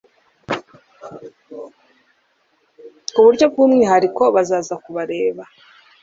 ku buryo bw umwihariko bazaza kubareba